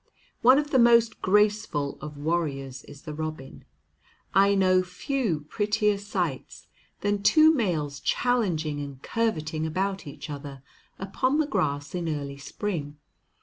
One of the most graceful of warriors is the robin. I know few prettier sights than two males challenging and curveting about each other upon the grass in early spring.